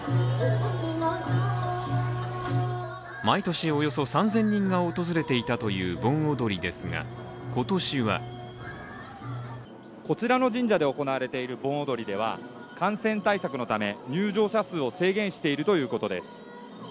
毎年およそ３０００人が訪れていたという盆踊りですが今年はこちらの神社で行われている盆踊りでは、感染対策のため入場者数を制限しているということです。